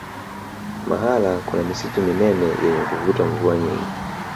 mahala kuna misitu minene yenye kuvuta mvua nyingi